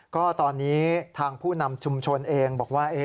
ก็ตอนนี้ทางผู้นำชุมชนเองบอกว่า